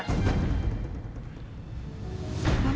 mama juga gak paham